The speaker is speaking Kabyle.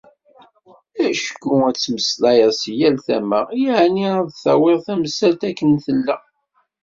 Acku ad d-temmeslayeḍ seg yal tama, yeεni ad d-tawiḍ tamsalt akken tella.